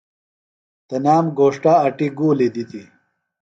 تنام گھوݜٹہ اٹیۡ گُولیۡ دِتیۡ۔